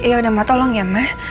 yaudah ma tolong ya ma